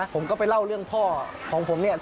ผมก็ไปเล่าเรื่องพ่อของผมเนี่ย